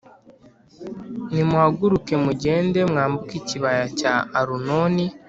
nimuhaguruke mugende mwambuke ikibaya cya arunoni